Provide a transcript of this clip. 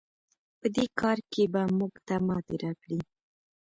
په دې کار کې به موږ ته ماتې راکړئ.